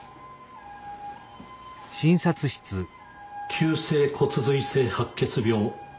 急性骨髄性白血病。